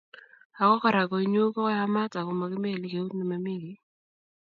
ako kora konyu koyamat ako makimelei keut nememi kiy